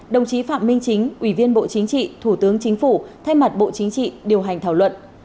đồng chí phạm minh chính ủy viên bộ chính trị thủ tướng chính phủ thay mặt bộ chính trị điều hành thảo luận